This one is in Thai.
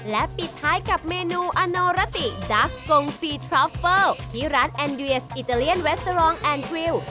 และปิดท้ายกับเมนูอโนรติดักกงฟีทรอฟเฟิลที่ร้านแอนเวียสอิตาเลียนเวสตรองแอนดวิว